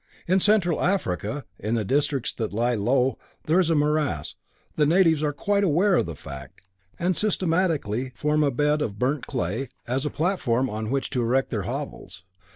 In Central Africa, in the districts that lie low and there is morass, the natives are quite aware of the fact, and systematically form a bed of burnt clay as a platform on which to erect their hovels.